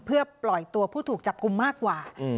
เพื่อปล่อยตัวผู้ถูกจับกลุ่มมากกว่า